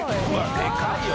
でかいよ。